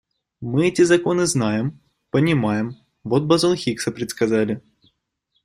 Мы эти законы знаем, понимаем, вот бозон Хиггса предсказали.